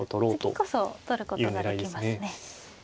次こそ取ることができますね。